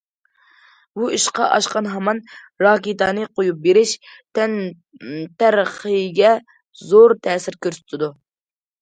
بۇ ئىشقا ئاشقان ھامان، راكېتانى قويۇپ بېرىش تەننەرخىگە زور تەسىر كۆرسىتىدۇ.